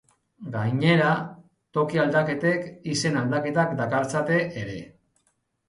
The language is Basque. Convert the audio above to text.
Gainera, toki aldaketek izen aldaketak dakartzate ere.